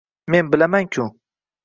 men bilaman-ku